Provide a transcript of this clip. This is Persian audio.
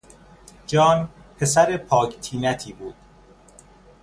جان پسر پاک طینتی بود.